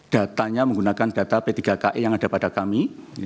datanya menggunakan data p tiga ki yang ada pada kami